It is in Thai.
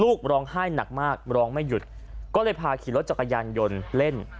ลูกร้องไห้หนักมากร้องไม่หยุดก็เลยพาขี่รถจักรยานยนต์เล่น